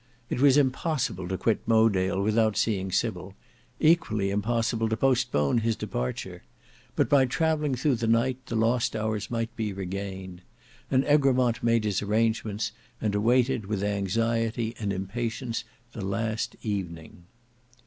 It was impossible to quit Mowedale without seeing Sybil; equally impossible to postpone his departure. But by travelling through the night, the lost hours might be regained. And Egremont made his arrangements, and awaited with anxiety and impatience the last evening.